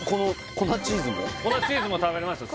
粉チーズも食べれますよ